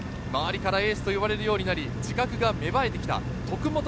周りからエースと呼ばれるようになり自覚が芽生えてきた。